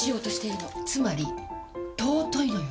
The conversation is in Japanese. つまり尊いのよ！